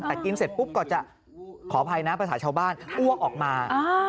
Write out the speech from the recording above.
แต่กินเสร็จปุ๊บก่อนจะขออภัยนะภาษาชาวบ้านอ้วกออกมา